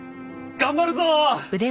頑張るぞー！